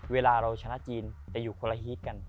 เวลาเราชนะจีนจะอยู่คนละฮีตกัน